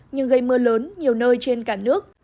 nhưng gây mưa lớn nhiều nơi trên cả nước